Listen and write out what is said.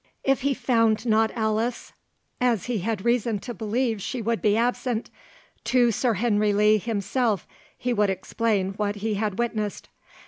If he found not Alice, as he had reason to believe she would be absent, to Sir Henry Lee himself he would explain what he had witnessed.